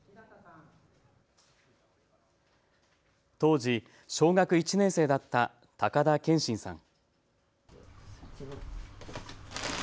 当時、小学１年生だった高田謙真さん。